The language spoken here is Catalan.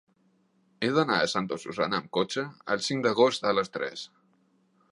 He d'anar a Santa Susanna amb cotxe el cinc d'agost a les tres.